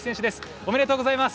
おめでとうございます。